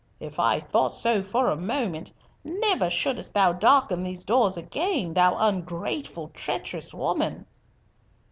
If I thought so for a moment, never shouldst thou darken these doors again, thou ungrateful, treacherous woman."